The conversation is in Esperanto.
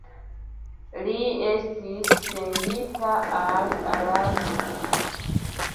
Li estis sendita al Alasko.